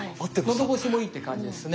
のどごしもいいって感じですね。